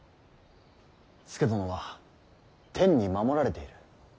佐殿は天に守られている。